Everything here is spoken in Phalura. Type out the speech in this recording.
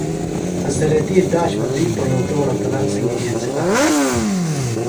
اڅھریتی داش بہ دوئی پݨردوڑہ تنام سنگیۡ ہینسِلہ ہِنہ